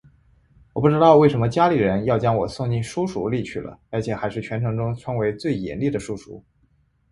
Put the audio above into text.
我不知道为什么家里的人要将我送进书塾里去了而且还是全城中称为最严厉的书塾